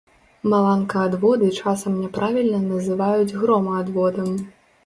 Маланкаадводы часам няправільна называюць громаадводам.